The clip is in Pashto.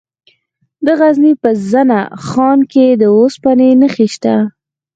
د غزني په زنه خان کې د اوسپنې نښې شته.